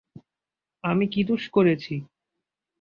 আমি কী দোষ করেছি?